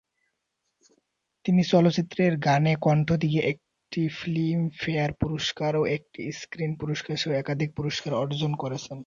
তিনি চলচ্চিত্রের গানে কণ্ঠ দিয়ে একটি ফিল্মফেয়ার পুরস্কার ও একটি স্ক্রিন পুরস্কারসহ একাধিক পুরস্কার অর্জন করেছেন।